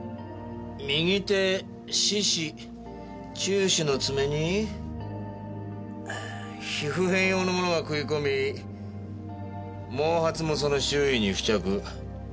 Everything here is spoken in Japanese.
右手示指中指の爪に皮膚片様のものが食い込み毛髪もその周囲に付着。